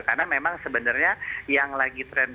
karena memang sebenarnya yang lagi tradisional